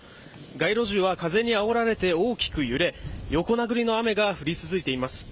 街路樹は風にあおられて大きく揺れ横殴りの雨が降り続いています。